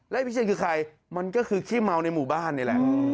และพิเชษคือใครมันก็คือขี้เมาในหมู่บ้านนี่แหละ